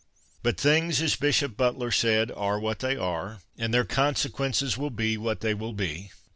But things, as Bishop Butler said, are what they are and their consequences will be what they will be.